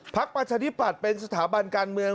พักประชาดิบัติเป็นสถาบันการเมือง